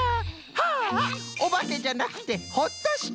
はあおばけじゃなくてほっとした！